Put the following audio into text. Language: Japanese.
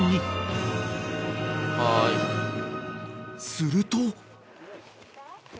［すると］